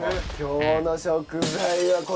今日の食材はこれですよ。